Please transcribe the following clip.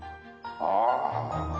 ああ。